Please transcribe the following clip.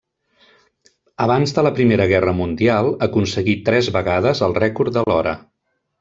Abans de la Primera Guerra Mundial aconseguí tres vegades el rècord de l'hora.